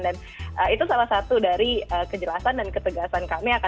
dan itu salah satu dari kejelasan dan ketegasan kami yang sudah dijelaskan